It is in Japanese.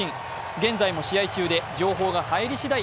現在も試合中で情報が入りしだい